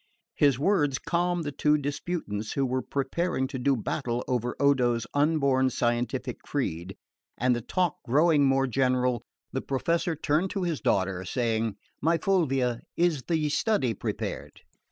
His words calmed the two disputants who were preparing to do battle over Odo's unborn scientific creed, and the talk growing more general, the Professor turned to his daughter, saying, "My Fulvia, is the study prepared?"